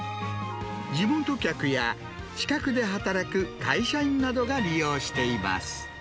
地元客や近くで働く会社員などが利用しています。